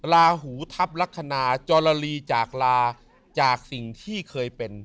ลาหูทัพลักษณะจรลีจากลาจากสิ่งที่เคยเป็น